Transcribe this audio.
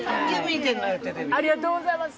ありがとうございます。